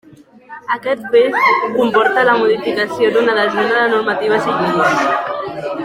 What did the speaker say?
Aquest fet comporta la modificació d'una desena de normatives i lleis.